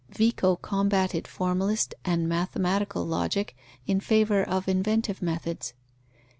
Vico combated formalist and mathematical logic in favour of inventive methods.